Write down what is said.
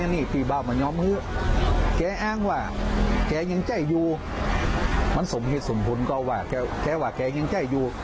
น้องว่าแกยังใจอยู่มันสมฤทธิ์สมภูมิก็ว่าแกยังใจอยู่